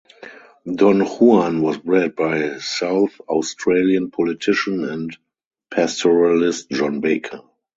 Don Juan was bred by South Australian politician and pastoralist John Baker.